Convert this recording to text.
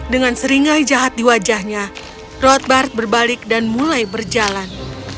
dengan seringai jahat di wajahnya roadbard berbalik dan mulai berjalan